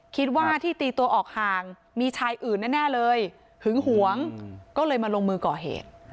คิดว่าที่ตีตัวออกห่างมีชายอื่นแน่เลยหึงหวงก็เลยมาลงมือก่อเหตุ